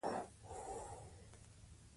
له غلې- دانو ډوډۍ د کولمو لپاره ښه ده.